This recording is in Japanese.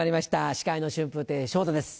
司会の春風亭昇太です。